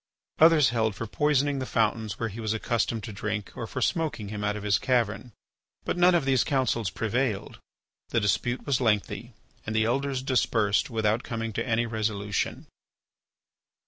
Others held for poisoning the fountains where he was accustomed to drink or for smoking him out of his cavern. But none of these counsels prevailed. The dispute was lengthy and the Elders dispersed without coming to any resolution.